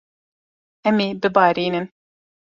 Em ê bibarînin.